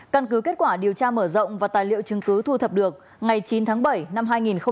căn cứ kết quả điều tra mở rộng và tài liệu chứng cứ thu thập được ngày chín tháng bảy năm hai nghìn hai mươi